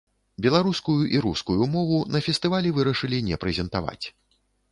Беларускую і рускую мову на фестывалі вырашылі не прэзентаваць.